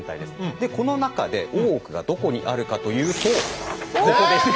でこの中で大奥がどこにあるかというとここです。